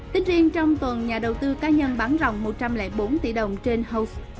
tính riêng trong tuần nhà đầu tư cá nhân bán rồng một trăm linh bốn tỷ đồng trên house